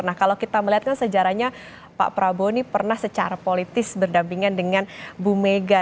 nah kalau kita melihat kan sejarahnya pak prabowo ini pernah secara politis berdampingan dengan bu mega